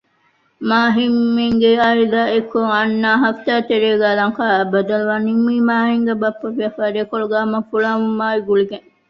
މާހިންމެންގެ އާއިލާ އެއްކޮށް އަންނަ ހަފްތާތެރޭގައި ލަންކާއަށް ބަދަލުވާން ނިންމީ މާހިންގެ ބައްޕަގެ ވިޔަވާރި އެކޮޅުގައި ފުޅާވުމާ ގުޅިގެން